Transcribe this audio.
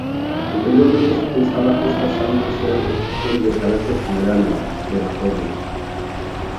Anteriormente se pensaba que estas saunas eran construcciones de carácter funerario, crematorios.